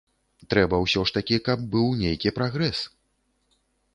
Трэба ўсё ж такі, каб быў нейкі прагрэс.